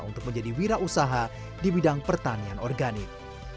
untuk menjadi wirausaha di bidang pertanian organik